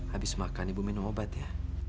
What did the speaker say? habis makan ibu minum obat ya